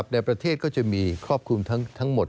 ในประเทศก็จะมีครอบคลุมทั้งหมด